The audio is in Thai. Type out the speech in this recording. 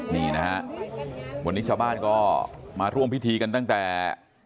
นี่นะฮะวันนี้ชาวบ้านก็มาร่วมพิธีกันตั้งแต่